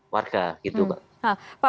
warga gitu pak